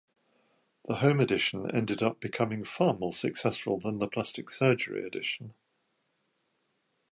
The home edition ended up becoming far more successful than the plastic surgery edition.